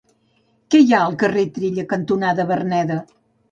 Què hi ha al carrer Trilla cantonada Verneda?